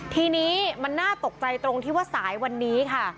ทีนี้มันน่าตกใจตรงที่ว่าสายวันนี้ค่ะ